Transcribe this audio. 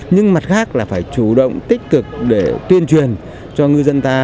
nhưng mặt khác là phải chủ động tích cực để tuyên truyền cho ngư dân ta